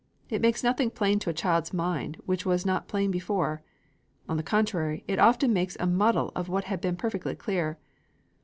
It makes nothing plain to a child's mind which was not plain before. On the contrary, it often makes a muddle of what had been perfectly clear.